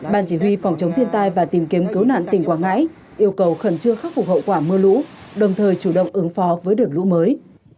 ban chỉ huy phòng chống thiên tai và tìm kiếm cứu nạn tỉnh quảng ngãi yêu cầu khẩn trương khắc phục hậu quả mưa lũ đồng thời chủ động ứng phó với đợt lũ mới